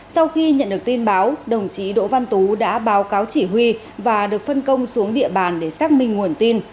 sau khi nhận được tin báo đồng chí đỗ văn tú đã báo cáo chỉ huy và được phân công xuống địa bàn để xác minh nguồn tin